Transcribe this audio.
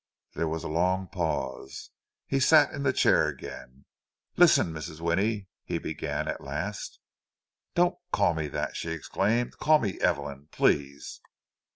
There was a long pause. He sat in the chair again. "Listen, Mrs. Winnie"—he began at last. "Don't call me that!" she exclaimed. "Call me Evelyn—please."